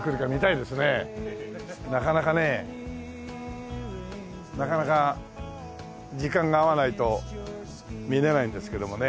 なかなかねなかなか時間が合わないと見れないんですけどもね。